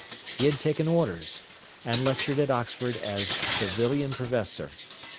He had taken orders, and lectured at Oxford as Savilian Professor.